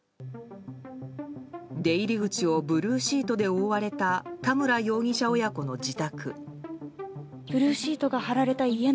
出入り口をブルーシートで覆われた田村容疑者親子の自宅。